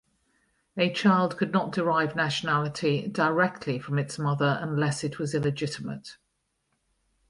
A child could not derive nationality directly from its mother unless it was illegitimate.